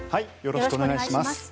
よろしくお願いします。